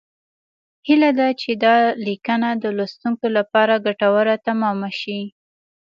هیله ده چې دا لیکنه د لوستونکو لپاره ګټوره تمامه شي